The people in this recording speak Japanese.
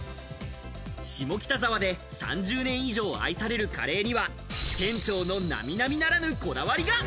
下北沢で３０年以上愛されるカレーには店長の並々ならぬ、こだわりが。